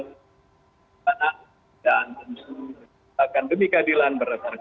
dan tentu akan demi keadilan berdasarkan